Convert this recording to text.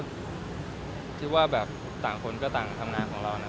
ชิคกี้พายว่าต่างคนก็ต่างทำงานของเรานะ